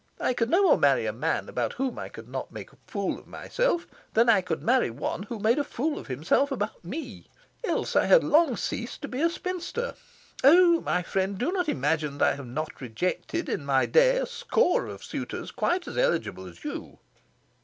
I could no more marry a man about whom I could not make a fool of myself than I could marry one who made a fool of himself about me. Else had I long ceased to be a spinster. Oh my friend, do not imagine that I have not rejected, in my day, a score of suitors quite as eligible as you."